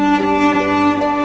suara kamu indah dari sitztamu